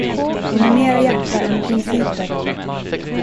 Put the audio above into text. Hon har mera hjärta än principer.